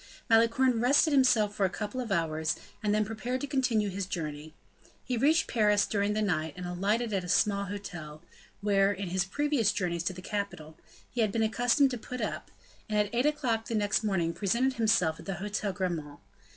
Malicorne rested himself for a couple of hours, and then prepared to continue his journey. He reached Paris during the night, and alighted at a small hotel, where, in his previous journeys to the capital, he had been accustomed to put up, and at eight o'clock the next morning presented himself at the Hotel Grammont.